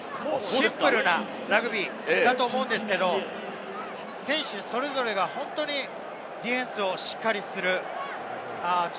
シンプルなラグビーだと思うんですけれど、選手それぞれが本当にディフェンスをしっかりする。